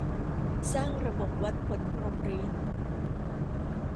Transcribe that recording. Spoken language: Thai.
สร้างระบบวัดผลโรงเรียน